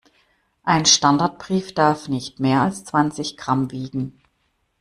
Ein Standardbrief darf nicht mehr als zwanzig Gramm wiegen.